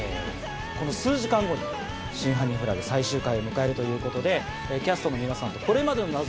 この数時間後に『真犯人フラグ』最終回を迎えるということで。